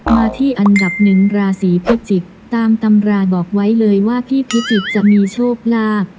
มาที่อันดับหนึ่งราศีพิจิกษ์ตามตำราบอกไว้เลยว่าพี่พิจิกษ์จะมีโชคลาภ